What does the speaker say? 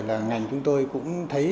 là ngành chúng tôi cũng thấy